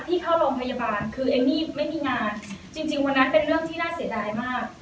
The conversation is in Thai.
ที่เข้าโรงพยาบาลคือเอมมี่ไม่มีงานจริงจริงวันนั้นเป็นเรื่องที่น่าเสียดายมาก